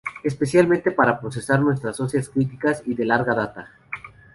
Especialmente para procesar muestras óseas críticas y de larga data.